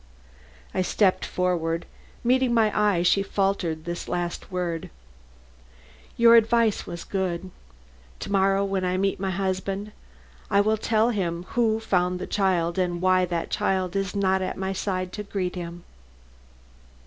I stepped forward. Meeting my eye, she faltered this last word: "Your advice was good. To morrow when I meet my husband I will tell him who found the child and why that child is not at my side to greet him."